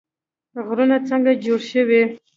غرونه څنګه جوړ شوي؟